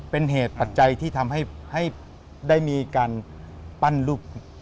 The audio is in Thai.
เป็นเหตุปัจจัยที่ทำให้ได้มีการปั้นรูป